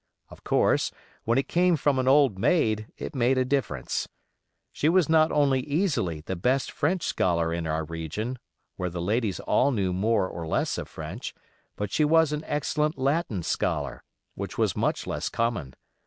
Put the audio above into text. Of course, when it came from an old maid, it made a difference. She was not only easily the best French scholar in our region, where the ladies all knew more or less of French, but she was an excellent Latin scholar, which was much less common.